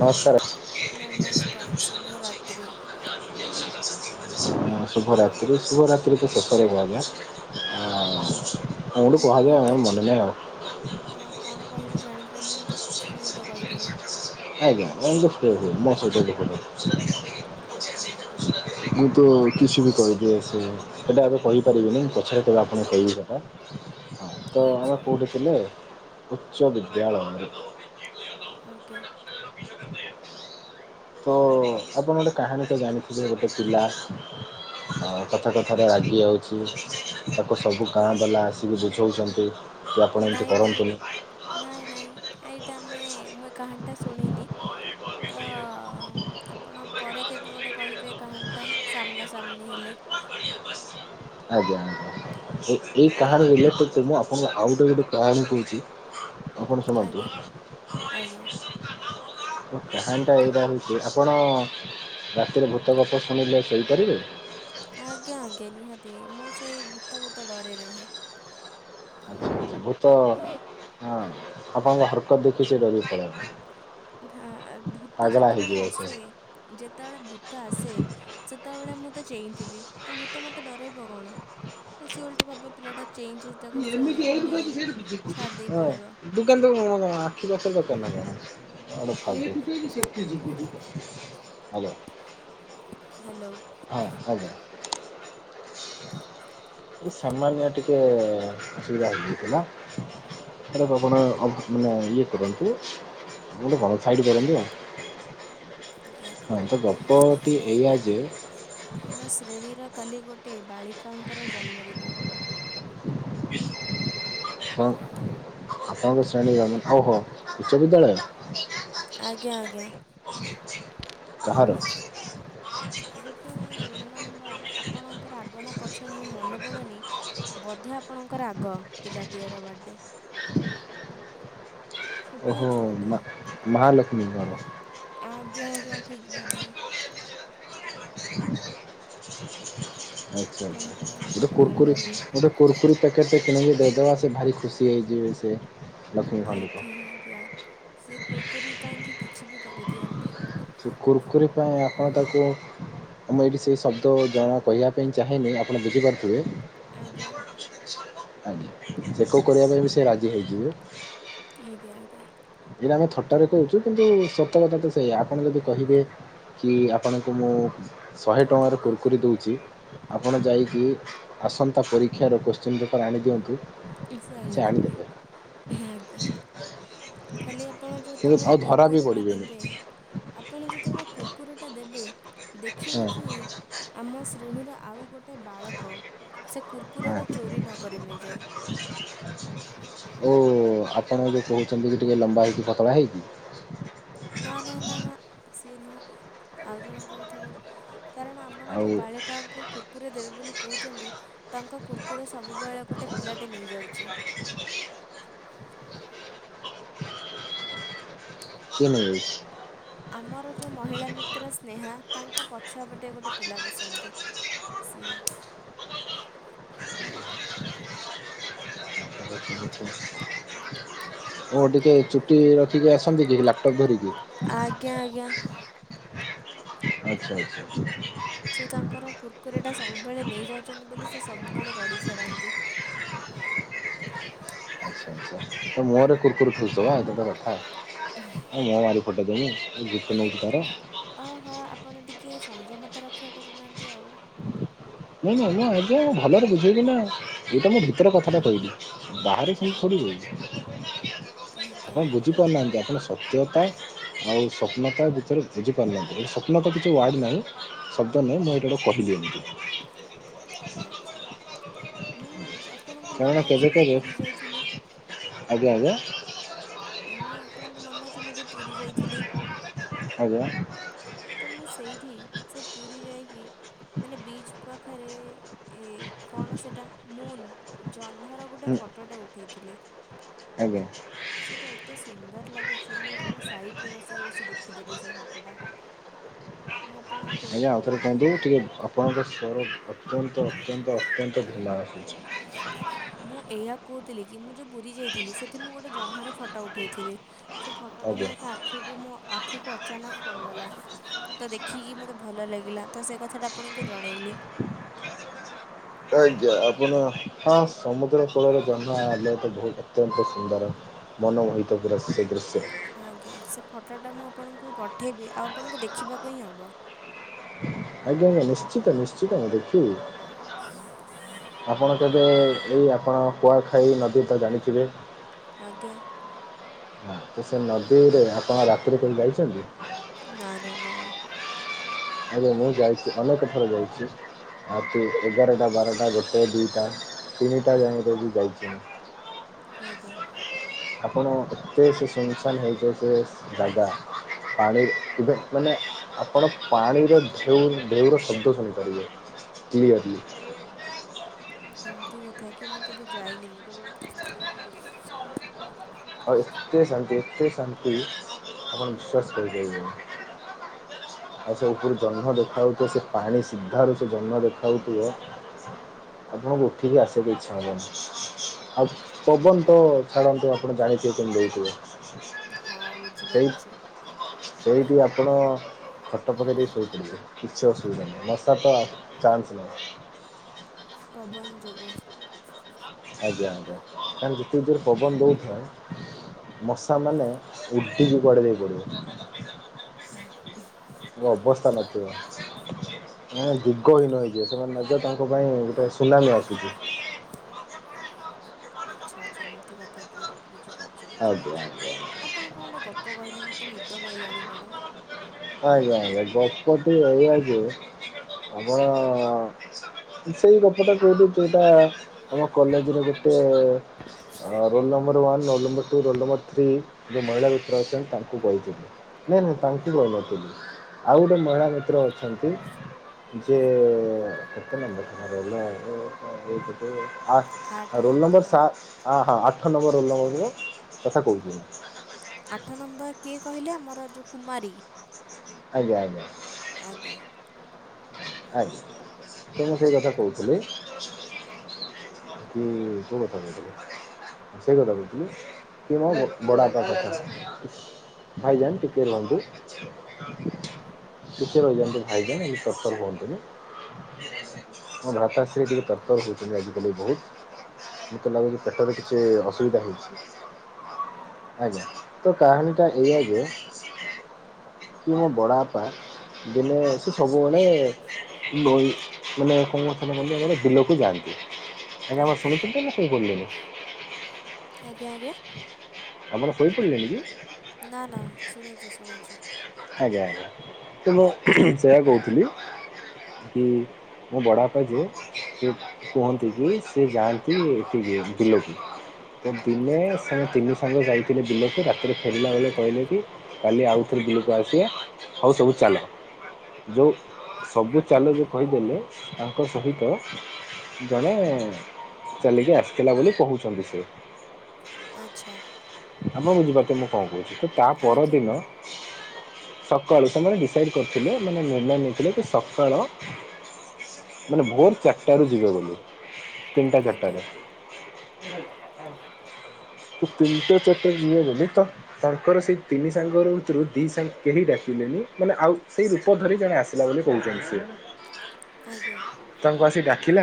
ନମସ୍କାର। ନମସ୍କାର ଶୁଭ ରାତ୍ରି। ଏଠି ଶିବରାତ୍ରିକୁ [unintelligible] କୁହନ୍ତୁ ଉଁ ମୋତେ କୁହାଯାଏ ମନେ ନାଇଁ ଆଉ ଆଉ କଣ କହିବି ଜାଣିପାଇଲିନି ତ କିଛି ବି ଗୋଟେ କହିଦେଲି। ଆଜ୍ଞା [unintelligible] ଆଜ୍ଞା ଆଜ୍ଞା ମୁଁ ତୋ କିଛି ବି କହିଦିଏ ସେ ସେଇଟା ଏବେ କହିପାରିବିନି ପଛରେ କେବେ ଆପଣ କହିବି ସେଟା। ତ ଆମେ ଆଚ୍ଛା କୋଉଠିଥିଲେ ଉଚ୍ଚ ବିଦ୍ୟାଳୟରେ। ଆଜ୍ଞା। [inaudible] ତ ଆପଣ ଗୋଟେ କାହାଣୀ ତ ଜାଣିଥିବେ ଗୋଟେ ପିଲା। ଆ କଥାଟେ ଥରେ ରାଗି ଯାଉଛି ତାକୁ ସବୁ ଗାଁ ବାଲା ଆସିକି ବୁଝଉଛନ୍ତି। କି ଆପଣ ଏମିତି ନାଇଁ ନାଇଁ କରନ୍ତୁନି। ନାଇଁ ନାଇଁ ଏଇଟା ଆମେ ମୁଁ ଏ କାହାଣୀଟା ଶୁଣିନି ତ ଆପଣ ପରେ କେବେ ଗୋଟେ କହିବେ କାହାଣୀଟା ସାମ୍ନା ସାମ୍ନି ହେଲେ। ଆଜ୍ଞା। ଏ ଏଇ କାହାଣୀ ରିଲେଟେଡ ତ ମୁଁ ଆପଣଙ୍କୁ ଆଉ ଗୋଟେ ଗୋଟେ କାହାଣୀ କହୁଛି ଆପଣ ଶୁଣନ୍ତୁ। ଆଜ୍ଞା ଆଜ୍ଞା। କାହାଣୀ ଟା ଏଇଟା ହେଉଛି ଆପଣ ରାତିରେ ଭୂତ ଗପ ଶୁଣିଲେ ଶୋଇପାରିବେ? ଆଜ୍ଞା ଆଜ୍ଞା ନିହାତି ମୁଁ ସେଇ ଭୂତ ଫୁତ ଡରେ ନାହିଁ। ଆଚ୍ଛା ଆଚ୍ଛା ଭୂତ ଆପଣଙ୍କ ହରକତ ଦେଖି ସେ ଡରିକି ପଳେଇବ। ଆ ଭୂତ ପାଗଳା ଯେତେବେଳେ ହେଇଯିବ ଆସେ ସେ। ଯେତେବେଳେ ଭୂତ ଆସେ ସେତେବେଳେ ମୁଁ ତ ଚେଇଁଥିବି ତ ଭୂତ ମତେ ଡରାଇବ କଣ ସେ ଓଲଟି ଭାବେ ପିଲାଟା ଚେଇଁଛି ତାକୁ ମୁଁ ଶୋଇ ଏମିତି ଏଇଠି ମାନେ କହିଛି [unintelligible] ଛାଡ଼ି ଦେଇ ହଁ ପଳେଇବ ଦୋକାନ ତ। [unintelligible] [unintelligible] ହାଲୋ। ହ୍ୟାଲୋ ହଁ ଆଜ୍ଞା। [inaudible] ଏ ସାମାନ୍ୟ ଟିକେ ଅସୁବିଧା ହେଇଯାଇଥିଲା। [inaudible] ଆଉ ଟିକେ ମାନେ ଇଏ କରନ୍ତୁ। ଗୋଟେ ଘର ସାଇଡ଼ କରନ୍ତି ଆଉ। ଆଜ୍ଞା ହଁ ତ ଆମ ଗପଟି ଏଇଆ ଶ୍ରେଣୀର ଯେ ଆମ ଶ୍ରେଣୀର କାଲି ଗୋଟିଏ ବାଳିକାଙ୍କର ଜନ୍ମଦିନ। ହଁ ଆପଣଙ୍କ ଶ୍ରେଣୀର ହଉ ହଉ ଉଚ୍ଚ ବିଦ୍ୟାଳୟ? ଆଜ୍ଞା ଆଜ୍ଞା। ଭାରତ। ଗୋଟେ ରୋଲ୍ ନମ୍ବର ଆପଣଙ୍କର ଆଗନା ପଛ ମୁଁ ମନେ ପଡ଼ୁନି ବୋଧେ ହେ ଆପଣଙ୍କର ଆଗ ପିଲାଟିଏର ବିର୍ଥ୍ଡ। ଓହୋ ମା ଛୁଆଟିଏ ମହାଲକ୍ଷ୍ମୀଙ୍କର। ଆଜ୍ଞା ଆଜ୍ଞା ଠିକ ଧରିଲେ। [inaudible] ଆଚ୍ଛା ତାଙ୍କର ବୋଧେ ଗୋଟେ କୁର କୁରି ଜନ୍ମଦିନ। ଗୋଟେ କୁର କୁରି ପେକେଟ୍ ଟା କିଣିକି ଦେଇଦେବା ସେ ଭାରି ଖୁସି ହେଇଯିବେ ସେ। ଲକ୍ଷ୍ମୀ ଭାଲୁକ ଆଜ୍ଞା ଆଜ୍ଞା ସେ କୁୁରକୁୁରୀ ପାଇଁକି କିଛି ବି କରିଦିଅନ୍ତି। କୁର କୁରି ପାଇଁ ଆପଣ ତାକୁ ମୁଁ ଏଇଠି ସେ ଶବ୍ଦ ଜଣା କହିବା ପାଇଁ ଚାହେଁନି ଆପଣ ବୁଝିପାରୁଥିବେ। ଆଜ୍ଞା। ଆଜ୍ଞା ଚେକପ କରିବା ପାଇଁ ବି ସେ ରାଜି ହେଇଯିବେ। ଏଆଁ ଆଜ୍ଞା। ଏ ଆମ ଥଟାରେ କହୁଛୁ କିନ୍ତୁ ସତକତା ତ ସେଇଆ ଆପଣ ଯଦି କହିବେ କି ଆପଣଙ୍କୁ ମୁଁ ଶହେ ଟଙ୍କାର କୁୁରକୁରି ଦଉଛି ଆପଣ ଯାଇକି ଆସନ୍ତା ପରୀକ୍ଷାର କୋଶ୍ଚିନ୍ ପେପର୍ ଆଣିଦିଅନ୍ତୁ। କିଏ ସେ ଆଣିଦେବେ ଆଜ୍ଞା। ଖାଲି ଆପଣ କିନ୍ତୁ ଯେତେବେଳେ ଆଉ ଧରା ବି କୁୁରକୁରେଟା ପଡ଼ିବେନି ଦେବେ ଆପଣ ଯେତେବେଳେ କୁୁରକୁରେଟା ଦେବେ ଦେଖିବେ ହଁ କି ଆମ ଶ୍ରେଣୀରେ ଆଉ ଗୋଟେ ବାଳକ ସେ ହଁ କୁର୍କୁରଟା ଚୋରି ନ କରି ନେଇଯାଉ। ଓ ଆପଣ ଯେଉଁ କହୁଛନ୍ତି କି ଟିକେ ଲମ୍ବା ହେଇକି ପତଲା ହେଇକି ନା ନା ନା ନା ସିଏ ନୁହଁ ଆଉ ଜଣଙ୍କ କଥା କହୁଛି ହ। କାରଣ ଆପଣ ଆଉ ଯୋଉ ବାଳିକାଙ୍କୁ କୁର୍କୁରେ ଦେବେ ବୋଲି କହୁଛନ୍ତି ତାଙ୍କ କୁର୍କୁରେ ସବୁବେଳେ ଗୋଟେ ପିଲାଟେ ନେଇଯାଉଛି। କିଏ ନେଇ ଯାଉଚି? ଆମର ଯେଉଁ ମହିଳା ମିତ୍ର ସ୍ନେହା ତାଙ୍କ ପଛ ପଟେ ଗୋଟେ ପିଲା ବସେ। ସିଏ। ନେଇଯାଉଛି ଓ ଟିକେ ଚୁଟି ରଖିକି ଆସନ୍ତି କି ଲାପଟପ୍ ଧରିକି। ଆଜ୍ଞା ଆଜ୍ଞା। ଆଛା ଆଛା। ଟା ସବୁବେଳେ ନେଇ ଯାଉଛନ୍ତି ବୋଲି ସେ ସବୁବେଳେ ରଡି ଛାଡନ୍ତି। ଆଚ୍ଛା ଆଚ୍ଛା ତା ମୁହଁରେ କୁୁରକୁର ଠୁସି ଦବା ଏଇଟା ଗୋଟେ କଥା। ଆଉ ମୁଅ ମାରି ଫଟେଇ ଦେବି [unintelligible] ତାର। ଓହୋ ଆପଣ ଟିକେ ସଂଯମତା ରକ୍ଷା କରୁନାହାନ୍ତି। ଆଉ। ନାଇଁ ନାଇଁ ମୁଁ ଆଗ ଭଲରେ ବୁଝେଇଲି ନା। ଏଇଟା ମୁଁ ଭିତରେ କଥାଟା କହିଲି ବାହାରେ ସେମିତି ଆଁ, ଥୋଡି ଆଜ୍ଞା ଆପଣ ଆଜ୍ଞା ବୁଝିପାରୁନାହାନ୍ତି ଆପଣ ସତ୍ୟତା ଆଉ ସ୍ୱପ୍ନତା ଭିତରେ ବୁଝିପାରୁନାହାନ୍ତି ଏଟ ସ୍ୱପ୍ନତା କିଛି ୱାର୍ଡ଼ ନାହିଁ ସ ନାହିଁ ଏଇଟା ଗୋଟେ କହିିଲି ଏମ୍ ମୁ ଯ ଆପଣଙ୍କ କାରଣ ମନେ କେବେ ଅଛି ମୁଁ କେବେ ପୁରୀ ଯାଇଥିଲି। ଆଜ୍ଞା ଆଜ୍ଞା। ମୁଁ ଆପଣଙ୍କୁ ମନେ ଅଛି ମୁଁ ଯଉ ପୁରୀ ଯାଇଥିଲି। ଆଜ୍ଞା। ତ ମୁଁ ସେଇଠି ସେ ପୁରୀ ଯାଇକି ମାନେ ବିଚ୍ ପାଖରେ ଏ କଣ ସେଇଟା ମୁଁନ୍ ଜହ୍ନର ଗୋଟେ ହୁଁ ଫଟୋଟେ ଉଠାଇଥିଲି ଆଜ୍ଞା। ଲଗୁଚି ମୁ ସାଇଟ୍ ରେ ବସିକି ଦେଖିଦେଲି ସେ ଫଟୋଟା ମୁଁ ଆପଣଙ୍କୁ ଆଜ୍ଞା ଆଉଥର କୁହନ୍ତୁ ପଠେଇବା ଟିକେ ଆପଣଙ୍କ ସ୍ବର ଅତ୍ୟନ୍ତ ଅତ୍ୟନ୍ତ ଅତ୍ୟନ୍ତ ଧୀମା ଆସୁଛି। ମୁଁ ଏହା କହୁଥିଲି କି ମୁଁ ଯୋଉ ପୁରୀ ଯାଇଥିଲି ସେଠି ମୁଁ ଗୋଟେ ଜହ୍ନର ଫଟୋ ଉଠେଇଥିଲି। ସେ ଫଟୋଟା ଆଜ୍ଞା ମୁଁ ଏକ ଆଖିକୁ ମୋ ଆଖିକୁ ଅଚାନକ ପଡ଼ିଗଲା। ତ ଦେଖିକି ମତେ ଭଲ ଲାଗିଲା ତ ସେ କଥା ଟା ଆପଣଙ୍କୁ ଜଣେଇଲି। ଆଜ୍ଞା ଆପଣ ହଁ ସମୁଦ୍ର କୂଳରେ ଜହ୍ନ ତ ବହୁତ ଅତ୍ୟନ୍ତ ସୁନ୍ଦର। ମନୋମୋହିତ ପୁରା ସେ ଦୃଶ୍ୟ। ଆଜ୍ଞା ସେ ଫଟୋଟା ମୁଁ ଆପଣଙ୍କୁ ପଠେଇବି ଆଉ ଆପଣଙ୍କୁ ଦେଖିବାକୁ ହିଁ ହେବ। ଆଜ୍ଞା ଆଜ୍ଞା ନିଶ୍ଚିତ ନିଶ୍ଚିତ ମୁଁ ଦେଖିବି। ଆପଣ ହୁଁ, କେବେ ଏଇ ଆପଣ କୁଆଖାଇ ନଦୀ ତ ଜାଣିଥିବେ। ଆଜ୍ଞା। ହ ତ ସେ ନଦୀରେ ଆପଣ ରାତିରେ କେହି ଯାଇଛନ୍ତି। ନା ନା ନା ନା। ଆରେ ମୁଁ ଯାଇଚି ଅନେକ ଥର ଯାଇଚି। ରାତି ଏଗାରଟା ବାରଟା ଗୋଟେ ଦିଇଟା ତିନିଟା ଯାଏ [unintelligible] ଯାଇଚି ମୁଁ। ଆଜ୍ଞା। ଆପଣ ଏତେ ସେ ଶୁନଶାନ୍ ହେଇଥିବ ସେ ଜାଗା ପାଣି ଏବେ ମାନେ ଆପଣ ପାଣିରେ ଢେଉ ଢେଉର ଶବ୍ଦ ଶୁଣିପାରିବେ କ୍ଲିଅରଲି। ଏମତି କଥା କି ମୁଁ କେବେ ଯାଇନି ମୁଁ କେବଳ ଖରା ବେଳେ ହିଁ ଯାଇଚି। ଆଉ ଏତେ ଶାନ୍ତି ଏତେ ଶାନ୍ତି ଆପଣ ବିଶ୍ୱାସ କରିପାରିବେନି। ଆଉ ସେ ଉପରୁ ଜହ୍ନ ଦେଖାଯାଉଥିବ ସେ ପାଣି ସିଧାରୁ ସେ ଜହ୍ନ ଦେଖାଉଥିବ। ଆପଣଙ୍କୁ ଉଠିକି ଆସିବାକୁ ଇଚ୍ଛା ହବନି ଆଉ ପବନ ତ ଛାଡନ୍ତୁ ଆ ଆପଣ ଜାଣିଥିବେ କେମତି ହେଇଥିବ। ହଁ ବୁଝିପାରୁଚି। ସେଇଠୁ ଆପଣ ଖଟ ପକେଇ ଦେଇ ଶୋଇପଡିବେ କିଛି ଅସୁବିଧା ନାହିଁ ମଶା ତ ଆ ଚାନ୍ସ ନାହିଁ। ପବନ ଯୋଗୁ। ଆଜ୍ଞା ଆଜ୍ଞା କାରଣ ଯେତିକି ଜୋରେ ପବନ ଦୋଉଥାଏ ମଶାମାନେ ଉଡ଼ିକି କୁଆଡେ ଯାଇ ପଡ଼ିବେ। ଉଁହ୍ ଉଁହ୍। ତାଙ୍କ ଅବସ୍ତା ନଥିବା। ସେମାନେ ଦିଗହିନ ହେଇଯିବ ସେମାନେ ଭାବିବେ ତାଙ୍କ ପାଇଁ ଗୋଟେ ସୁନାମି ଆସୁଚି ଆଚ୍ଛା ଆଛା ଏମତି କଥାକି ବୁ ବୁଝିପାରୁଚି ଆଜ୍ଞା ବୁଝିପାରୁଚି ଆପଣ କଣ ଗୋଟେ ଗପ କହିଲେ ମତେ ନିଦ ମାଇଲାଣି କଣ। ଆଜ୍ଞା ଆଜ୍ଞା ଗପ ଟି ଏଇଆ ଯେ ଆମର ସେଇ ଗପଟା କୋଉଠି ତ ଏଟା ଆମ କଲେଜରେ ଗୋଟେ ଅ roll number one roll number roll number three ଯୋଉ ମହିଳା ମିତ୍ର ଅଛନ୍ତି ତାଙ୍କୁ କହିଥିଲେ ନାଇଁ ନାଇଁ ତାଙ୍କୁ କହିନଥିଲି। ଆଉ ଗୋଟେ ମହିଳା ମିତ୍ର ଅଛନ୍ତି। ଯେ କେତେ ନମ୍ବର ଖରାପ ହେଲେ ଏଇ ଟିକେ ଆଠ ଆ ରୋଲ୍ ନମ୍ବର ନଅ ସା ଆ ହଁ ଆଠ ନମ୍ବର ରୋଲ୍ ନମ୍ବର ର କଥା କହୁଚି ମୁଁ। ଆଠ ନମ୍ବର କିଏ କହିଲେ ଆମର ଯୋଉ କୁମାରୀ। ଆଜ୍ଞା ଆଜ୍ଞା। ଆଜ୍ଞା। ଆଜ୍ଞା ତ ମୁଁ ସେଇ କଥା କୋହୁଥିଲି। ହୁଁ କୋଉ କଥା କୋହୁଥୁଲେ? ଆ ସେଇ କଥା କୋହୁଥୁଲି କି ମୋ ବ ବଡ଼ାପା କଥା ଭାଇ ଜାଣିଚୁ [unintelligible] ଟିକେ ରହିଯାନ୍ତୁ ଭାଇଜାନ ଏଇ ତରତର ହୁଅନ୍ତୁନି ମୋ ଭ୍ରାତାଶ୍ରୀ ଟିକେ ତରତର ହୋଉଚନ୍ତି ଆଜିକାଲି ବୋହୁତ। ମତେ ଲାଗୁଚି ପେଟରେ କିଛି ଅସୁବିଧା ହେଇଛି। ଆଜ୍ଞା ତ କାହାଣୀଟା ଏଇଆ ଯେ କି ମୋ ବଡ଼ବାପା ଦିନେ ସେ ସବୁ ସବୁବେଳେ ନଇ ମାନେ କଣ କଥାଟା କହିଲି କହିଲ ବିଲକୁ ଯାଆନ୍ତି। ଆପଣ ଆଜ୍ଞା ଶୁଣୁଚନ୍ତି ନା ଶୋଇପଡିଲେଣି? ଆଜ୍ଞା ଆଜ୍ଞା। ଆପଣ ଶୋଇପଡିଲେଣି କି? ନା ନା ଶୁଣୁଚି ଶୁଣୁଚି। ଆଜ୍ଞା ଆଜ୍ଞା କି ମୁଁ ସେୟା କହୁଥିଲି କି। ମୋ ବଡ଼ ବାପା ଯିଏ ସିଏ କୁହନ୍ତି କି ସେ ଯାଆନ୍ତି ଏଠିକି ବିଲକୁ। ଦିନେ ସେ ତିନି ସାଙ୍ଗ ଯାଇଥିଲେ ବିଲକୁ ରାତିରେ ଫେରିଲା ବେଳେ କହିଲେ କି କାଲି ଆଉଥରେ ବିଲକୁ ଆ ସିବା ହଉ ସବୁ ଚାଲ। ଯୋଉ ସବୁ ଚାଲ ଯୋଉ କହିଦେଲେ ତାଙ୍କ ସହିତ। ଜଣେ ଚାଲିକି ଆସିଥିଲା ବୋଲି କହୁଛନ୍ତି ସେ। ଆଚ୍ଛା। ତମେ ବୁଝି ପାରୁଛ ମୁଁ କଣ କହୁଛି ତ ତା ଆଜ୍ଞା ପରଦିନ। ସକାଳୁ ସେମାନେ ଡିସାଇଡ଼୍ କରିଥିଲେ ମାନେ ନିର୍ଣ୍ଣୟ ନେଇଥିଲେ କି ସକାଳ। ମାନେ ଭୋର ଚାରିଟାରୁ ଯିବେ ବୋଲି ତିନିଟା ଆଜ୍ଞା ଚାରିଟାରେ। ହୁଁ ହ ତ ତିନିଟା ଚାରି ଟା ରେ ଯିବେ ବୋଲି ତ ତାଙ୍କର ସେଇ ତିନି ସାଙ୍ଗ ର ଭିତରୁ ଦି ସାଙ୍ଗ। କେହି ଡାକିଲେନି ମାନେ ଆଉ ସେଇ ରୂପ ଧରି ଜଣେ ଆସିଲା ବୋଲି କହୁଛନ୍ତି ସିଏ। ଆଜ୍ଞା। ସେ ଡାକିଲା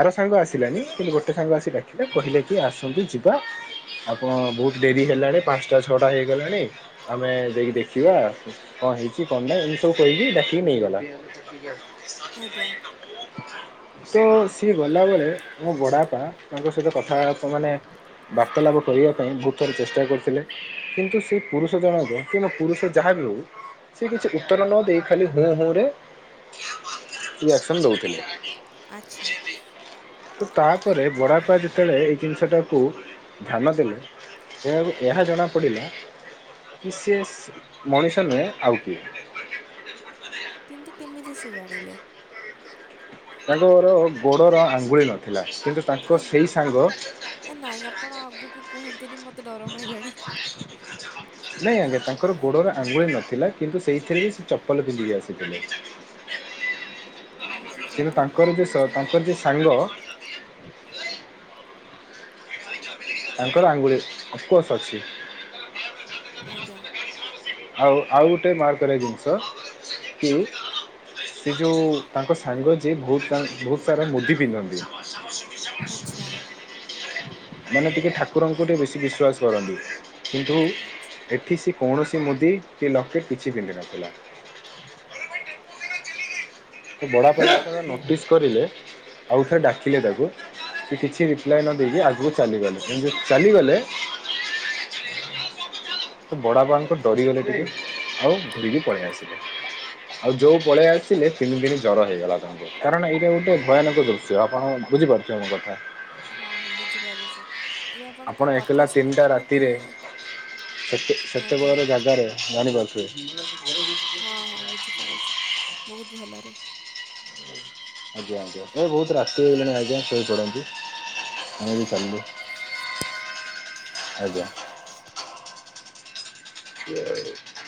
ଆର ସାଙ୍ଗ ଆସିଲାନି କିନ୍ତୁ ଗୋଟେ ସାଙ୍ଗ ଆସିିକ ଡାକିଲେ କହିଲେ କି ଆସନ୍ତୁ ଯିବା। ଆପଣ ବହୁତ ଡେରି ହେଲାଣି ପାଞ୍ଚଟା ଛଅଟା ହେଇଗଲାଣି ଆମେ ଯାଇକି ଦେଖ। ଖୀବା କଣ ହେଇଛି କଣ ନାଇ ଏମିତି ସବୁ କହିକି ଡାକିକି ନେଇଗଲା। ଆଜ୍ଞା [unintelligible] ତ ସିଏ ଗଲାବେଳେ ମୋ ବଡବାପା ତାଙ୍କ ସହିତ କଥା ମାନେ‌। ବାର୍ତ୍ତାଳାପ କରିବା ପାଇଁ ବହୁତ ଥର ଚେଷ୍ଟା କରିଥିଲେ କିନ୍ତୁ ସେ ପୁରୁଷ ଜଣକ ସେ ମୋ। ପୁରୁଷ ଯାହା ବିି ହଉ ସେ କିଛି ଉତ୍ତର ନ ଦେଇ ଖାଲି ହୁଁ ହୁଁ ରେ। ରିଆକ୍ସନ ଦଉଥିଲେ। ଆଚ୍ଛା ତ ତାପରେ ବଡ଼ାପା ଯେତେବେଳେ ଏଇ ଜିନିଷଟାକୁ ଧ୍ୟାନ ଦେଲେ। ଏହାକୁ ଏହା ଜଣା ପଡିଲା କି ସେ। ମଣିଷ ନୁହେଁ ଆଉ କିଏ। କିନ୍ତୁ କେମିତି ସେ ଜାଣିଲେ। ତାଙ୍କର ଗୋଡର ଆଙ୍ଗୁଳି ନଥିଲା। କିନ୍ତୁ ତାଙ୍କ ଏନ୍ ସେଇ ସାଙ୍ଗ ନାଇଁ ଆପଣ ଆଗକୁ କୁହନ୍ତୁନି ମତେ। ତେ ଡର ମାଇଲାଣି। ନାଇଁ ଆଜ୍ଞା ତାଙ୍କର ଗୋଡ଼ର ଆଙ୍ଗୁଳି ନଥିଲା କିନ୍ତୁ ସେଇଥିରେ ହି ସେ ଚପଲ ପିନ୍ଧିକି ଆସିଥିଲେ। ହୁଁ କିନ୍ତୁ ତାଙ୍କର ଯୋଉ ସ ତାଙ୍କର ଯୋଉ ସାଙ୍ଗ। ତାଙ୍କର ଆଙ୍ଗୁଳି ଅଫକୋର୍ସ ଅଛି। ଆଜ୍ଞା ଆଉ ଆଉ ଗୋଟେ ମାର୍କ କରିବା ଜିନିଷ କି। ସେ ଯୋଉ ତାଙ୍କ ସାଙ୍ଗ ଯିଏ ବହୁତ ବହୁତ ସାରା ମୁଦି ପିନ୍ଧନ୍ତି। ଆଚ୍ଛା [unintelligible] ମାନେ ଟିକେ ଠାକୁରଙ୍କୁ ଟିକେ ବେଶୀ ବିଶ୍ୱାସ କରନ୍ତି ଆଚ୍ଛା କିନ୍ତୁ ଏଠି ସେ। କୌଣସି ମୁଦି କି ଲକେଟ କିଛି ପିନ୍ଧ ନଥିଲା। ତ ବଡ଼ବାପା ଓହୋ ଯେତେ ବେଳେ ନୋଟିସ୍ କରିଲେ ଆଉଥରେ ଡାକିଲେ ତାକୁ। ସେ କିଛି ରିପ୍ଲାଏ ନ ଦେଇକି ଆଗକୁ ଚାଲିଗଲେ ଯେମିତି ଚାଲିଗଲେ। [inaudible] ତ ବଡବାପାଙ୍କ ଡରିଗଲେ ଟିକେ ଆଉ ଡରିକି ପଳେଇ ଆସିଲେ। ଆଉ ଯୋଉ ପଳେଇ ଆସିଲେ ତିନି ଦିନ ଜର ହେଇଗଲା ତାଙ୍କୁ କାରଣ ଏଇଟା ଗୋଟେ ଭୟାନକ ଦୃଶ୍ୟ ଆପଣ। ବୁଝିପାରୁଛ ମୋ କଥା। ହଁ ହଁ ବୁଝିପାରୁଛି ଏବେ ଆପଣ ଆପଣଙ୍କ ଏକଲା କଥା ତିନିଟା ଶୁଣିକି ମତେ। ରାତିରେ ସେତେ ସେତେ ବେଳ ର ଜାଗାରେ ଜାଣି ପରୁ ଥିବେ। ହଁ ହଁ ବୁଝିପାରୁଛି ବହୁତ ଭଲରେ। ଆଜ୍ଞା ଆଜ୍ଞା ଏ ବହୁତ ରାତି ହେଇଗଲାଣି ଆଜ୍ଞା ଶୋଇପଡନ୍ତୁ। ହଁ ଆମେ ବି ହଁ ଚାଲିଲୁ। ଆଜ୍ଞା।